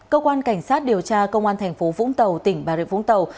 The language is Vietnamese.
cơ quan cảnh sát điều tra công an thành phố vũng tàu tỉnh bà rịa vũng tàu